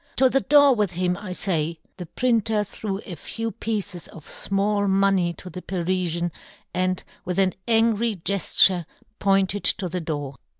To the door " with him, I fay !" The printer threw a few pieces of fmall money to the Parifian, and with an angry gef ture pointed to the door.